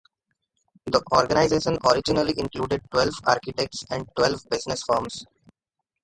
The organization originally included twelve architects and twelve business firms.